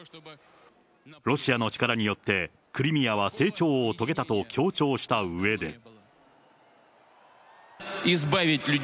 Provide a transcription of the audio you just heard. ロシアの力によってクリミアは成長を遂げたと強調したうえで。